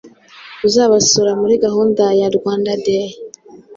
uzabasura muri gahunda ya Rwanda Day